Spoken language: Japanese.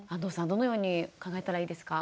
どのように考えたらいいですか？